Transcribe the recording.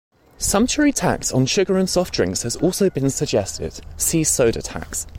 Sumptuary tax on sugar and soft drinks has also been suggested; see soda tax.